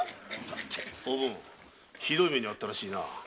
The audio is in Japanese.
おぶん酷い目にあったらしいな。